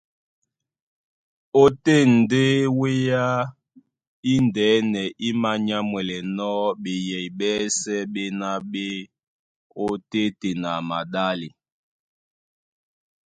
Ótên ndé wéá indɛ́nɛ í mānyámwɛlɛnɔ́ ɓeyɛy ɓɛ́sɛ̄ ɓéná ɓé e ot́téten a maɗále.